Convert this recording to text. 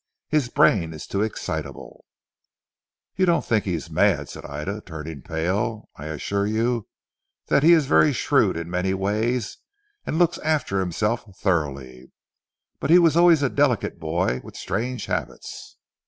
His brain is too excitable." "You don't think he is mad," said Ida turning pale. "I assure you that he is very shrewd in many ways, and looks after himself thoroughly. But he was always a delicate boy with strange habits."